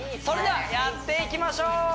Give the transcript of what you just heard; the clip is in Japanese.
それではやっていきましょう！